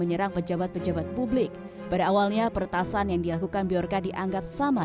menyerang pejabat pejabat publik pada awalnya peretasan yang dilakukan biarca dianggap sama